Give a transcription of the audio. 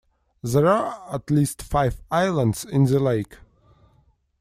There are at least five islands in the lake.